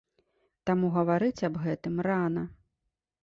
Таму гаварыць аб гэтым рана.